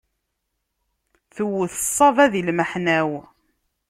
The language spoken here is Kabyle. Tewwet ṣaba di lmeḥna-w.